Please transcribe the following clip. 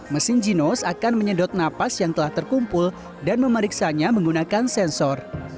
mesin ginos akan menyedot napas yang telah terkumpul dan memeriksanya menggunakan sensor